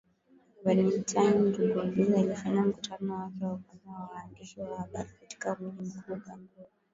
Valentine Rugwabiza alifanya mkutano wake wa kwanza na waandishi wa habari katika mji mkuu Bangui .